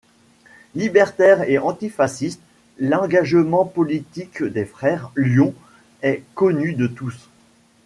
Libertaires et antifascistes, l’engagement politique des frères Lion est connu de tous.